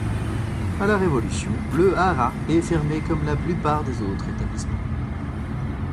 A la Révolution, le haras est fermé comme la plupart des autres établissements.